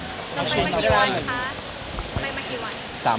ทำไมมากี่วันครับ